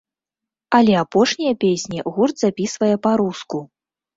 Але апошнія песні гурт запісвае па-руску.